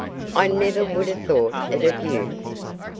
"I never would have thought it of you."